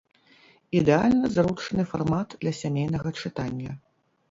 Ідэальна зручны фармат для сямейнага чытання.